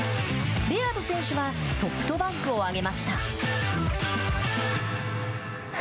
レアード選手はソフトバンクを挙げました。